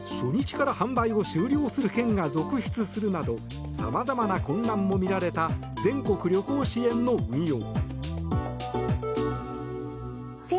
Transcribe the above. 初日から販売を終了する県が続出するなどさまざまな混乱も見られた全国旅行支援の運用。